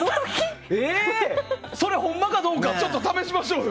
それ、ほんまかどうかちょっと試しましょうよ。